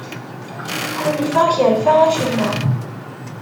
Ḥulfaɣ kerfeɣ acemma.